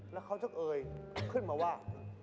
แล้วเขาก็เกอร์ค์ขึ้นมาว่า